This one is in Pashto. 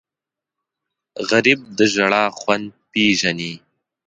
غریب د ژړا خوند پېژني